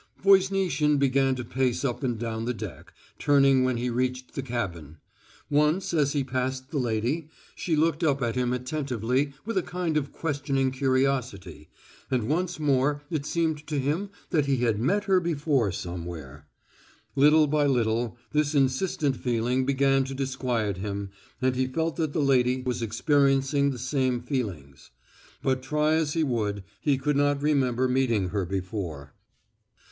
Voznitsin began to pace up and down the deck, turning when he reached the cabin. Once, as he passed the lady, she looked up at him attentively with a kind of questioning curiosity, and once more it seemed to him that he had met her before somewhere. Little by little this insistent feeling began to disquiet him, and he felt that the lady was experiencing the same feelings. But try as he would he could not remember meeting her before.